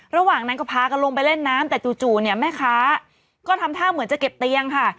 ระหว่างนั้นก็พากันลงไปเล่นน้ำแต่จู่เนี่ยแม่ค้าก็ทำท่าเหมือนจะเก็บเตียงค่ะ